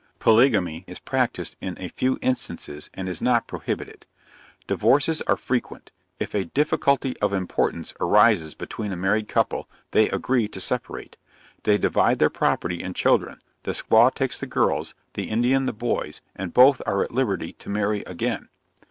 Polygamy is practised in a few instances, and is not prohibited. Divorces are frequent. If a difficulty of importance arises between a married couple, they agree to separate. They divide their property and children; the squaw takes the girls, the Indian the boys, and both are at liberty to marry again.